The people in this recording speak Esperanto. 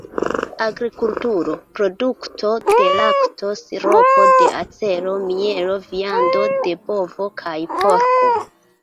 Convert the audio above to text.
Agrikulturo: produkto de lakto, siropo de acero, mielo, viando de bovo kaj porko.